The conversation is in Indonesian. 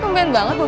kempen banget bu